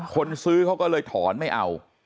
คนซื้อเขาก็เลยถอนไม่เอา